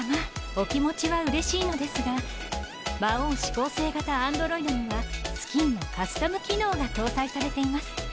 お気持ちはうれしいのですが魔王四煌星型アンドロイドにはスキンのカスタム機能が搭載されています。